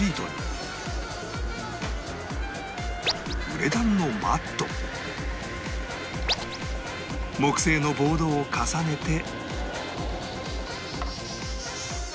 ウレタンのマット木製のボードを重ねて